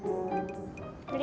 sampai jumpa lagi